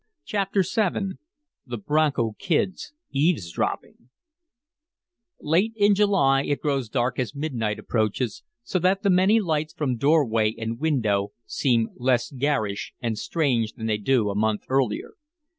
CHAPTER VII THE "BRONCO KID'S" EAVESDROPPING Late in July it grows dark as midnight approaches, so that the many lights from doorway and window seem less garish and strange than they do a month earlier.